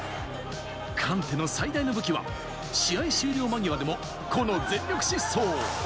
カンテの最大の武器は試合終了間際でもこの全力疾走。